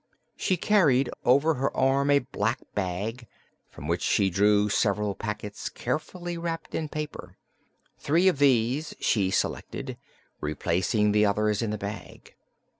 She carried over her arm a black bag, from which she now drew several packets carefully wrapped in paper. Three of these she selected, replacing the others in the bag.